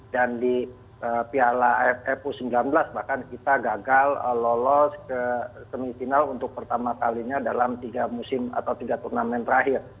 dan di piala aff u sembilan belas bahkan kita gagal lolos ke semifinal untuk pertama kalinya dalam tiga musim atau tiga turnamen terakhir